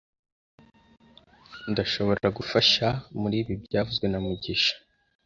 Ndashobora kugufasha muribi byavuzwe na mugisha